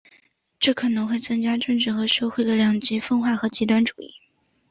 这可能会增加政治和社会的两极分化和极端主义。